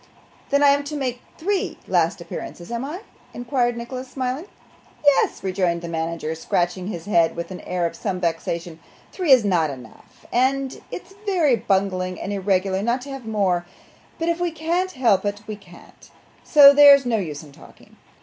'Then I am to make three last appearances, am I?' inquired Nicholas, smiling. 'Yes,' rejoined the manager, scratching his head with an air of some vexation; 'three is not enough, and it's very bungling and irregular not to have more, but if we can't help it we can't, so there's no use in talking.